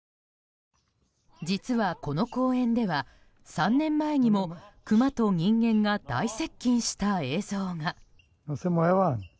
実は、この公園では３年前にもクマと人間が大接近した映像が。